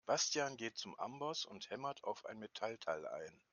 Bastian geht zum Amboss und hämmert auf ein Metallteil ein.